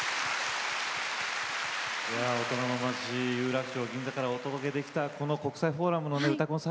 大人の街有楽町銀座からお届けできたこの国際フォーラムの「うたコン」